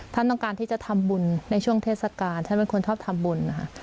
ท่านต้องการที่จะทำบุญในช่วงเทศกาลท่านเป็นคนชอบทำบุญนะคะ